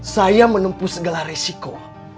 saya menempuh segala resiko